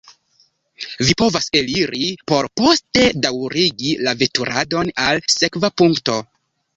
Vi povas eliri por poste daŭrigi la veturadon al sekva punkto.